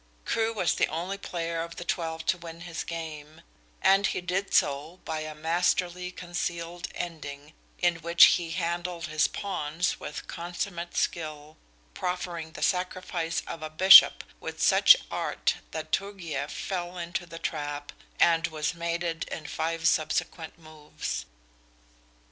Crewe was the only player of the twelve to win his game, and he did so by a masterly concealed ending in which he handled his pawns with consummate skill, proffering the sacrifice of a bishop with such art that Turgieff fell into the trap, and was mated in five subsequent moves.